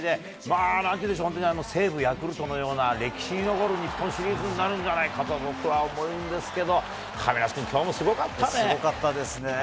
まあ、なんていうんでしょう、西武・ヤクルトのような、歴史に残る日本シリーズになるんじゃないかと僕は思うんですけど、亀梨君、すごかったですね。